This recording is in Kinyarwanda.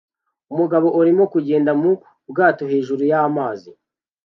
Umugabo arimo kugenda mu bwato hejuru y'amazi